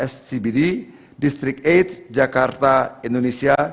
scbd distrik delapan jakarta indonesia